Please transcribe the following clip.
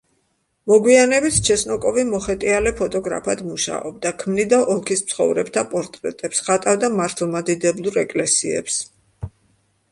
მოგვიანებით ჩესნოკოვი მოხეტიალე ფოტოგრაფად მუშაობდა, ქმნიდა ოლქის მცხოვრებთა პორტრეტებს, ხატავდა მართლმადიდებლურ ეკლესიებს.